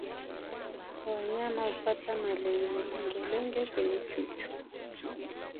Wanyama hupata malengelenge kwenye chuchu